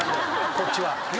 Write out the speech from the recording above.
こっちは。